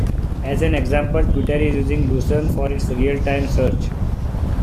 As an example, Twitter is using Lucene for its real time search.